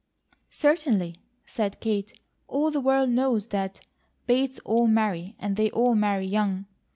"Certainly!" said Kate. "All the world knows that. Bates all marry; and they all marry young.